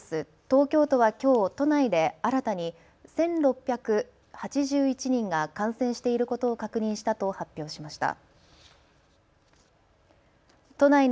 東京都はきょう都内で新たに１６８１人が感染していることを確認したと発表しました。